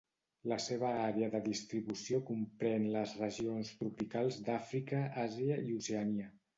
La seva àrea de distribució comprèn les regions tropicals d'Àfrica, Àsia i Oceania.